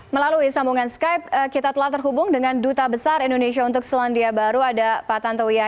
melalui sambungan skype kita telah terhubung dengan duta besar indonesia untuk selandia baru ada pak tantowia